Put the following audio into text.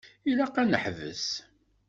Ilaq ad neḥbes.